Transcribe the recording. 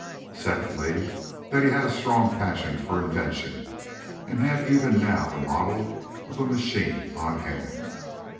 Secondly, that he had a strong passion for invention, and had even now the model of a machine on hand.